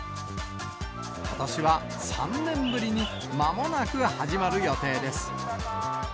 ことしは３年ぶりに、まもなく始まる予定です。